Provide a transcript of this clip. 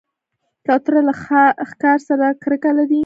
کوتره له ښکار سره کرکه لري.